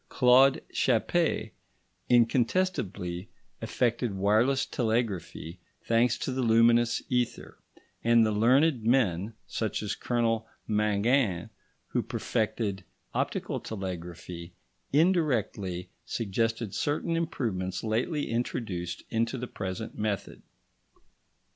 Claude Chappe incontestably effected wireless telegraphy, thanks to the luminous ether, and the learned men, such as Colonel Mangin, who perfected optical telegraphy, indirectly suggested certain improvements lately introduced into the present method.